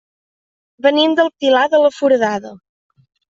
Venim del Pilar de la Foradada.